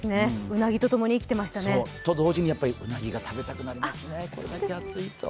うなぎとともに生きてましたね。と同時にうなぎが食べたくなりますね、これだけ暑いと。